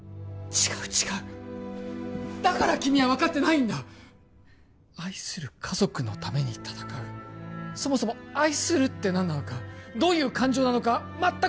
違う違うだから君は分かってないんだ愛する家族のために戦うそもそも愛するって何なのかどういう感情なのか全く分からなかった